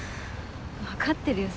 分かってるよ